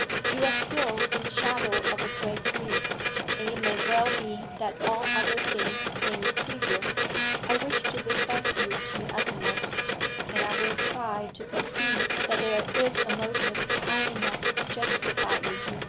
'You are still in the shadow of a great grief, and it may well be that all other things seem trivial. I wish to respect you to the uttermost, and I will try to conceive that there is a motive high enough to justify you.